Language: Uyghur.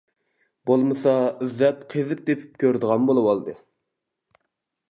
بولمىسا ئىزدەپ قېزىپ تېپىپ كۆرىدىغان بولۇۋالدى.